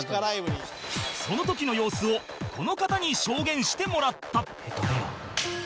その時の様子をこの方に証言してもらった